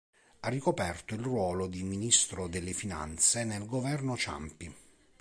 Ha ricoperto il ruolo di Ministro delle finanze nel Governo Ciampi.